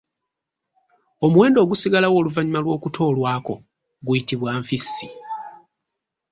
Omuwendo ogusigalawo oluvannyuma lwókutoolwako guyitibwa Nfissi.